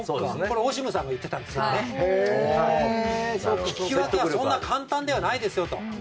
オシムさんも言ってたんですけど引き分けはそんなに簡単ではないですよと。